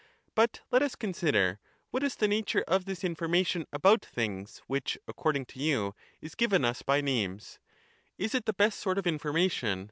But let us consider what is the nature of this in formation about things which, according to you, is given us by names. Is it the best sort of information?